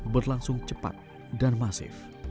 berlangsung cepat dan masif